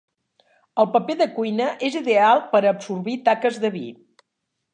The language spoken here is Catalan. El paper de cuina és ideal per a absorbir taques de vi.